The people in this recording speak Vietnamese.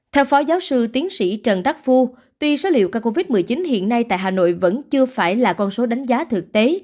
theo phó giáo sư tiến sĩ trần đắc phu tuy số liệu ca covid một mươi chín hiện nay tại hà nội vẫn chưa phải là con số đánh giá thực tế